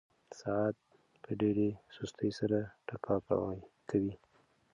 ساعت په ډېره سستۍ سره ټکا کوي.